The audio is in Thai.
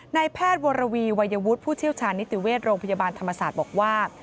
นายแพทย์วรวีวัยวุฒิผู้เชี่ยวชาญนิติเวชโรงพยาบาลธรรมศาสตร์บอกว่า